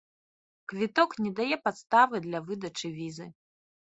Квіток не дае падставы для выдачы візы.